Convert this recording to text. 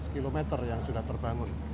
lima belas km yang sudah terbangun